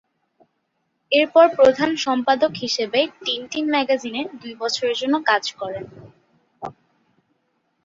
এরপর প্রধান সম্পাদক হিসেবে টিনটিন ম্যাগাজিনে দুই বছরের জন্য কাজ করেন।